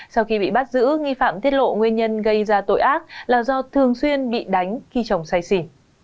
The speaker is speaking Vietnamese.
sau khi bị bắt giữ nghi phạm tiết lộ nguyên nhân gây ra tội ác là do thường xuyên bị đánh khi chồng say xỉ